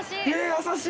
優しい。